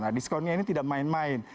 nah diskonnya ini tidak main main